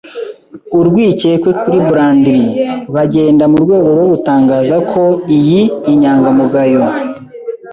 urwikekwe kuri Blandly. Bagenda murwego rwo gutangaza ko iyi inyangamugayo